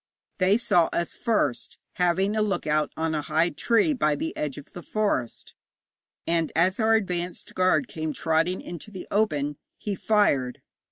They saw us first, having a look out on a high tree by the edge of the forest; and as our advanced guard came trotting into the open, he fired.